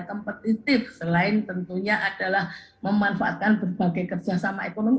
kompetitif selain tentunya adalah memanfaatkan berbagai kerjasama ekonomi